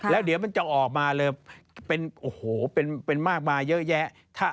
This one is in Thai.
แล้วเดี๋ยวมันจะออกมาเลยเป็นมากมายเยอะแยะ